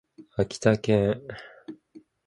秋田県潟上市